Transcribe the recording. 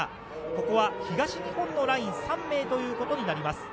ここは東日本のライン３名ということになります。